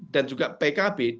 dan juga pkb